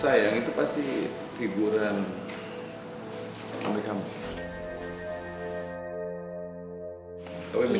sayang itu pasti figuran kami kami